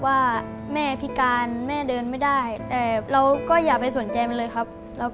ผมก็ยอมรับมาจากนานครับ